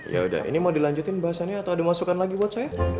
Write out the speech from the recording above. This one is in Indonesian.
ya udah ini mau dilanjutin bahasannya atau ada masukan lagi buat saya